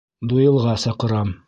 Дуэлға саҡырам!